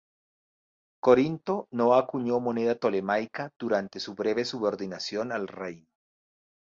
Corinto no acuñó moneda ptolemaica durante su breve subordinación al reino.